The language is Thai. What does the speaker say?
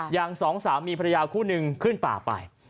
อย่างสองสามีภรรยาคู่นึงขึ้นป่าไป